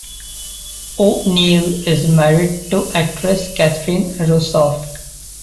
O'Neill is married to actress Catherine Rusoff.